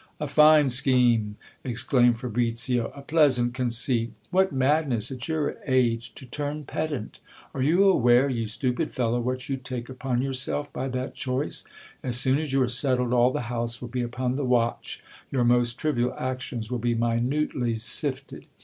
A fine scheme ! exclaimed Fabricio, a pleasant conceit ! What madness, at your age, to turn pedant ! Are you aware, you stupid fellow, what you take upon yourself by that choice ? As soon as you are settled, all the house will be upon the watch, your most trivial actions will be minutely sifted.